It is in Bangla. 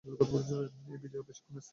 এই বিজয় বেশিক্ষণ স্থায়ী হয়নি।